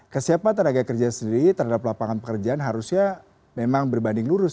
kesiapan tenaga kerja sendiri terhadap lapangan pekerjaan harusnya memang berbanding lurus